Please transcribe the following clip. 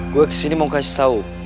gue kesini mau kasih tahu